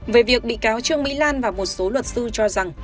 về việc bị cáo trương mỹ lan và một số luật sư cho rằng